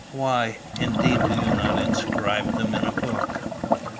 Why, indeed, do you not inscribe them in a book?